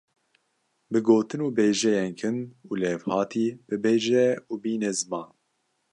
bi gotin û bêjeyên kin û li hevhatî bibêje û bîne ziman.